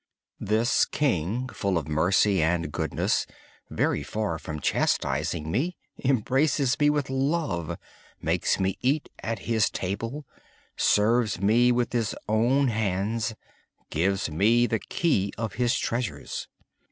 My King is full of mercy and goodness. Far from chastising me, He embraces me with love. He makes me eat at His table. He serves me with His own hands and gives me the key to His treasures.